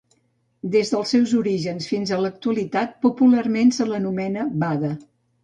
Des dels seus orígens i fins a l'actualitat, popularment se l'anomena Bada.